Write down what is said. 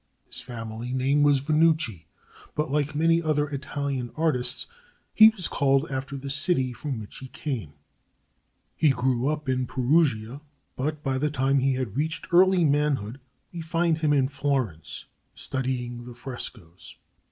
His family name was Vannucci; but like many other Italian artists he was called after the city from which he came. He grew up in Perugia; but by the time he had reached early manhood we find him at Florence, studying the frescos.